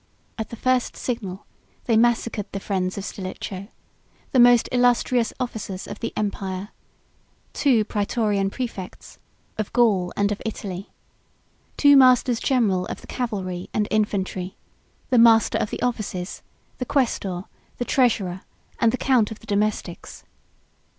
At the first signal, they massacred the friends of Stilicho, the most illustrious officers of the empire; two Prætorian præfects, of Gaul and of Italy; two masters general of the cavalry and infantry; the master of the offices; the quaestor, the treasurer, and the count of the domestics.